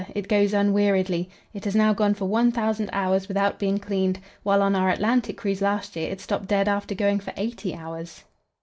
it goes unweariedly. It has now gone for 1,000 hours without being cleaned, while on our Atlantic cruise last year it stopped dead after going for eighty hours.